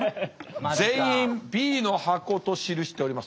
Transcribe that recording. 全員Ｂの箱と記しております。